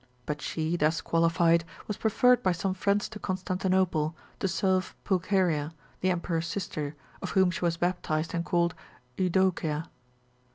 But she, thus qualified, was preferred by some friends to Constantinople, to serve Pulcheria, the emperor's sister, of whom she was baptised and called Eudocia.